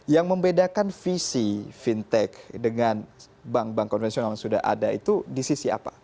yang membedakan visi fintech dengan bank bank konvensional yang sudah ada itu di sisi apa